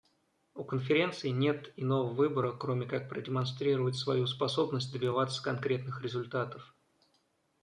У Конференции нет иного выбора, кроме как продемонстрировать свою способность добиваться конкретных результатов.